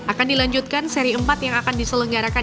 akan dilanjutkan seri empat yang akan diselenggarakan